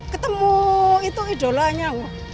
ketemu itu idolanya